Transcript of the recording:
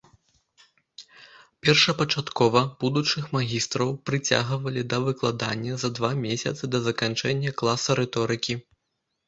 Першапачаткова будучых магістраў прыцягвалі да выкладання за два месяцы да заканчэння класа рыторыкі.